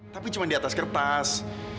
tapi cuma di atas kertas